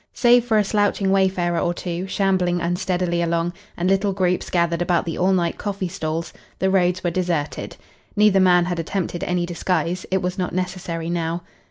Save for a slouching wayfarer or two, shambling unsteadily along, and little groups gathered about the all night coffee stalls, the roads were deserted. Neither man had attempted any disguise. It was not necessary now.